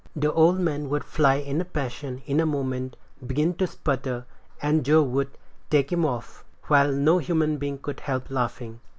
The old man would fly in a passion in a moment, begin to sputter, and Joe would "take him off," while no human being could help laughing.